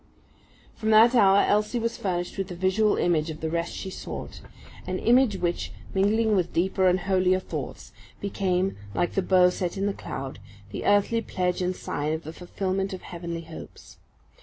From that hour Elsie was furnished with a visual image of the rest she sought; an image which, mingling with deeper and holier thoughts, became, like the bow set in the cloud, the earthly pledge and sign of the fulfilment of heavenly hopes.